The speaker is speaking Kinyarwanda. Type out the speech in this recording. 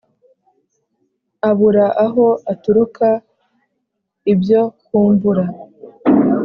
Abura aho aturuka ibyo kumvura